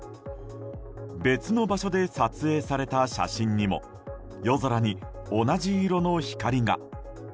別の場所で撮影された写真にも夜空に同じ色の光が。